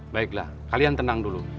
baiklah kalian tenang dulu